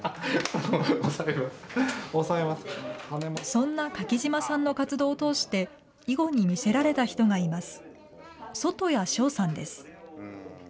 そんな柿島さんの活動を通して、囲碁に魅せられた人がいます。